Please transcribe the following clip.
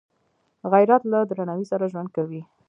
غیرت له درناوي سره ژوند کوي